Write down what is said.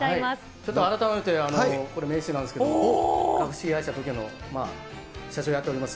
ちょっと改めて、これ、名刺なんですけれども、株式会社ＴＯＫＩＯの社長やっております